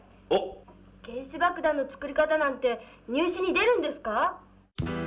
原子爆弾の作り方なんて入試に出るんですか？